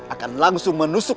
akan langsung menusuk